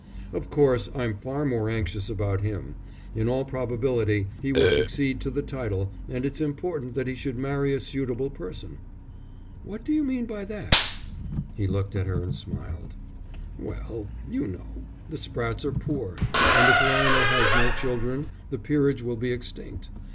Of course I'm far more anxious about him. In all probability he will succeed to the title, and it's important that he should marry a suitable person." "What do you mean by that?" He looked at her and smiled. "Well, you know, the Sprattes are poor, and if Lionel has no children the peerage will be extinct.